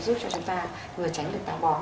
giúp cho chúng ta vừa tránh được táo bón